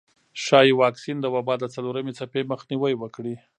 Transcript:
ښايي واکسین د وبا د څلورمې څپې مخنیوی وکړي.